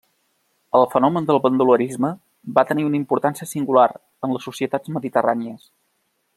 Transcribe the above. El fenomen del bandolerisme va tenir una importància singular en les societats mediterrànies.